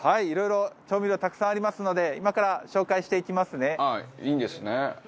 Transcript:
いろいろ調味料、たくさんありますので今から紹介していきますね。